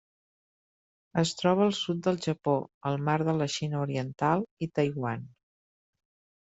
Es troba al sud del Japó, el mar de la Xina Oriental i Taiwan.